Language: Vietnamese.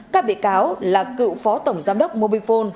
các bị cáo là cựu phó tổng giám đốc mobifone